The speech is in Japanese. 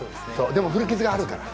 でも、古傷があるから。